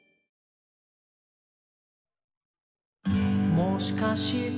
「もしかして」